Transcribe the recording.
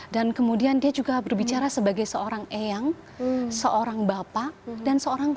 dan kemudian dia juga berbicara sebagai seorang eyang seorang bapak dan seorang suami